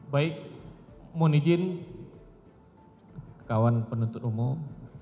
baik mun ijin kawan penuntut umum